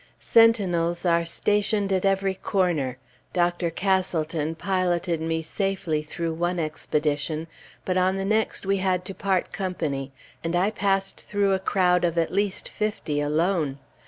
Sentinels are stationed at every corner; Dr. Castleton piloted me safely through one expedition; but on the next, we had to part company, and I passed through a crowd of at least fifty, alone.